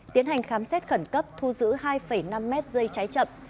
tiến hành khám xét khẩn cấp thu giữ hai năm m dây cháy chậm